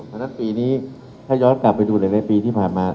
เพราะฉะนั้นปีนี้ถ้าย้อนกลับไปดูหลายปีที่ผ่านมา